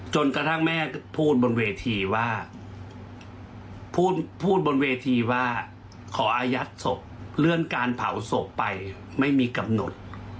จนกระทั่งแม่พูดบนเวทีว่าพูดบนเวทีว่าขออายัดศพเลื่อนการเผาศพไปไม่มีกำหนด